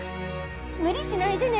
無理しないでね。